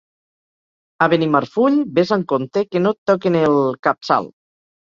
A Benimarfull, ves amb compte que no et toquen el... capçal.